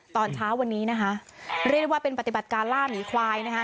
ตอนเช้าวันนี้นะคะเรียกได้ว่าเป็นปฏิบัติการล่าหมีควายนะคะ